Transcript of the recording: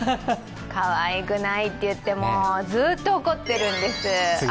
かわいくないっていって、ずっと怒っているんですよ。